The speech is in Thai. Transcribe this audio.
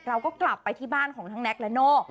เราก็กลับไปที่บ้านของทั้งแก๊กและโน่